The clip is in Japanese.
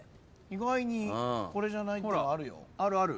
意外にこれじゃない？ってのあるよ。